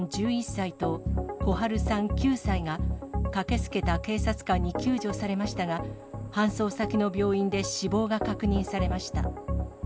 １１歳と、心陽さん９歳が、駆けつけた警察官に救助されましたが、搬送先の病院で死亡が確認されました。